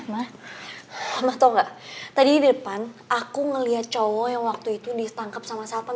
mama tau gak tadi di depan aku ngelihat cowok yang waktu itu ditangkap sama si alva